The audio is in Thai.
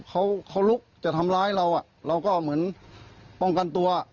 เขาเขาลุกจะทำร้ายเราเราก็เหมือนป้องกันตัว